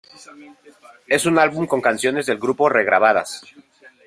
Es un álbum con canciones del grupo regrabadas.